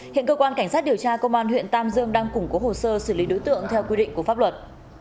hiện cơ quan cảnh sát điều tra công an huyện tam dương đang củng cố hồ sơ xử lý đối tượng theo quy định của pháp luật